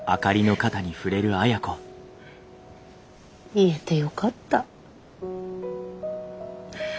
言えてよかった。